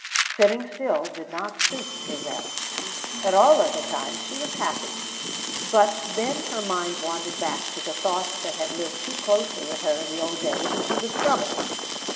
Sitting still did not suit Grizel. At all other times she was happy; but then her mind wandered back to the thoughts that had lived too closely with her in the old days, and she was troubled.